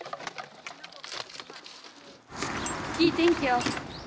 いい天気や。